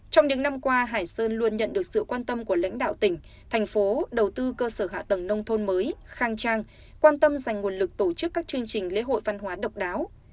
trong những năm qua hải sơn luôn nhận được sự quan tâm của lãnh đạo tỉnh thành phố đầu tư cơ sở hạ tầng nông thôn mới khang trang quan tâm dành nguồn lực tổ chức các chương trình lễ hội văn hóa độc đáo